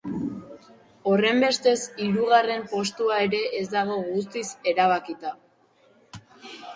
Horrenbestez, hirugarren postua ere ez dago guztiz erabakita.